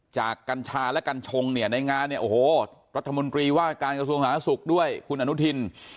จากกัญชาและกัญชงในงานนี้โอ้โหรัฐมนตรีว่าการกระทั่วองศาสตร์นักศุกร์ด้วยคุณอานุเธน